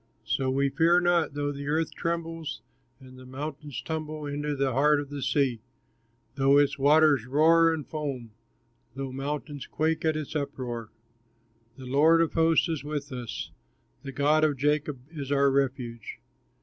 So we fear not, though the earth trembles, And mountains tumble into the heart of the sea; Though its waters roar and foam, Though mountains quake at its uproar. The Lord of hosts is with us, The God of Jacob is our refuge.